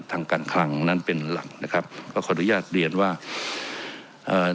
ทางการคลังนั้นเป็นหลักนะครับก็ขออนุญาตเรียนว่าเอ่อ